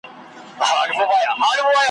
چي د اوښکو په ګودر کي د ګرېوان کیسه کومه ,